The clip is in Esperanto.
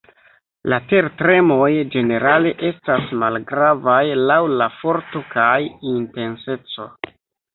La tertremoj ĝenerale estas malgravaj laŭ la forto kaj intenseco.